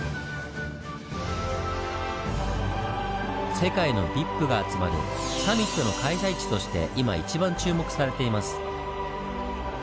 世界のＶＩＰが集まるサミットの開催地として今一番注目されています。